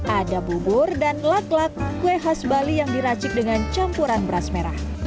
ada bubur dan lak lak kue khas bali yang diracik dengan campuran beras merah